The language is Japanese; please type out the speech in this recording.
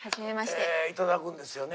頂くんですよね。